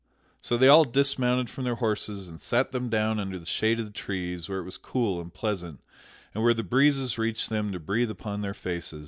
So they all dismounted from their horses and sat them down under the shade of the trees where it was cool and pleasant and where the breezes reached them to breathe upon their faces.